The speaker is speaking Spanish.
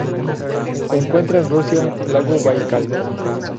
Se encuentra en Rusia: lago Baikal.